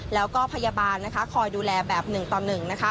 แล้วก็พยาบาลนะคะคอยดูแลแบบหนึ่งต่อหนึ่งนะคะ